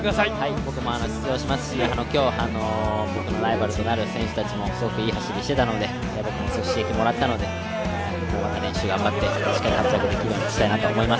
僕も出場しますし、今日僕のライバルになる選手たちもすごくいい走りしたので、すごくいい刺激をもらったので練習を頑張っていい結果出したいと思います。